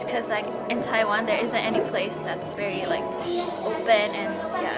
karena di taiwan tidak ada tempat yang sangat terbuka dan